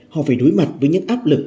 họ phải đối mặt với những áp lực